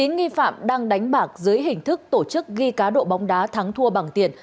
chín nghi phạm đang đánh bạc dưới hình thức tổ chức ghi cá độ bóng đá thắng thua bằng tiền